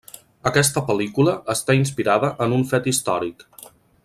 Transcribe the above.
Aquesta pel·lícula està inspirada en un fet històric.